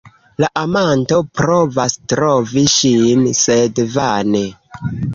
La amanto provas trovi ŝin, sed vane.